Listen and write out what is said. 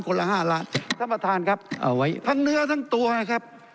ละห้าล้านท่านประธานครับเอาไว้ทั้งเนื้อทั้งตัวนะครับ